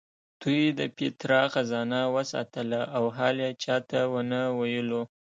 دوی د پیترا خزانه وساتله او حال یې چا ته ونه ویلو.